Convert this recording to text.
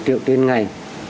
một triệu tiền ngày